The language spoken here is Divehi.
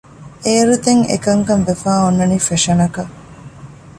އޭރުދެން އެކަންކަން ވެފައި އޮންނަނީ ފެޝަނަކަށް